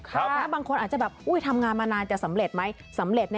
ครับถ้าบางคนอาจจะแบบอุ้ยทำงานมานานจะสำเร็จไหมสำเร็จ